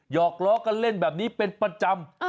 อกล้อกันเล่นแบบนี้เป็นประจำ